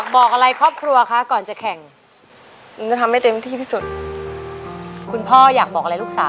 ไม่ใช้ค่ะ